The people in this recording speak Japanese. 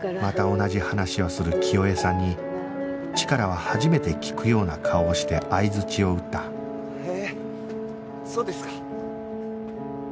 また同じ話をする清江さんにチカラは初めて聞くような顔をして相づちを打ったへえそうですか。